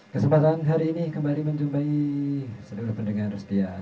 kesempatan hari ini kembali mencoba seluruh pendengar setia